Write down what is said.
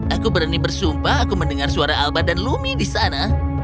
aku berani bersumpah aku mendengar suara alba dan lumi di sana